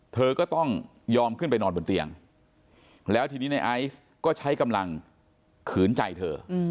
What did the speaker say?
เธอก็ต้องยอมขึ้นไปนอนบนเตียงแล้วทีนี้ในไอซ์ก็ใช้กำลังขืนใจเธอ